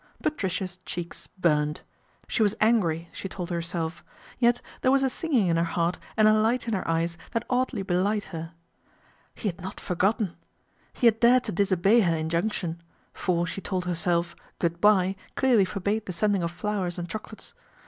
Patricia's cheeks burned. She was angry, she told herself, yet there was a singing in her heart and a light in her eyes that oddly belied her. He aad not torgotten ! He had dared to disobey her Injunction ; for, she told herself, " good bye " MADNESS OF LORD PETER BOWEN 47 clearly forbade the sending of flowers and choco lates.